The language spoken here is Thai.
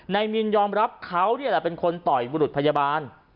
มินยอมรับเขานี่แหละเป็นคนต่อยบุรุษพยาบาล